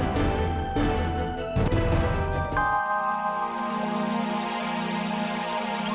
aku benar benar cinta sama kamu